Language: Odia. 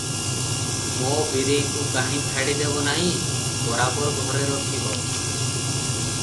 ମୋ ବୀରେଇକୁ କାହିଁ ଛାଡ଼ିଦେବ ନାହିଁ ବରାବର ଘରେ ରଖିବ ।